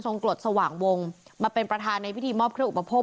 กรดสว่างวงมาเป็นประธานในพิธีมอบเครื่องอุปโภค